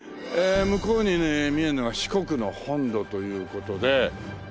向こうにね見えるのが四国の本土という事で。